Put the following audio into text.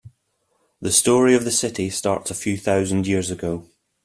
The story of the city starts a few thousand years ago.